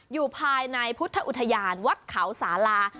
อยู่ภายในพุทธอุทยานวัดเขาสาลา